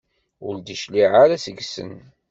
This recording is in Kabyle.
Ur d-cliɛeɣ ara seg-sen.